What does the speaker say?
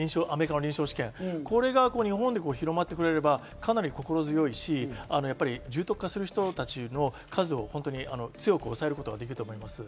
これが日本で広まってくれればかなり心強いし、重篤化する人たちの数を強く抑えることができると思います。